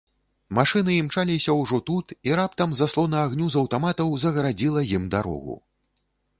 Машыны імчаліся ўжо тут, і раптам заслона агню з аўтаматаў загарадзіла ім дарогу.